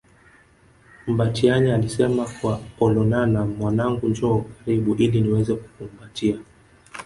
Mbatiany alisema kwa Olonana Mwanangu njoo karibu ili niweze kukukumbatia